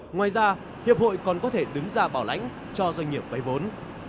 ngoài ra hiệp hội còn có thể đứng ra bảo lãnh cho doanh nghiệp vay vốn